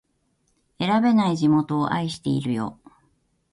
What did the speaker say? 選べない地元を愛してるよ